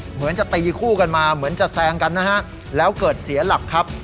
เหมือนจะตีคู่กันมาเหมือนจะแซงกันนะฮะแล้วเกิดเสียหลักครับ